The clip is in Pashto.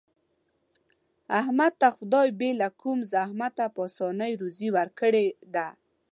احمد ته خدای بې له کوم زحمته په اسانه روزي ورکړې ده.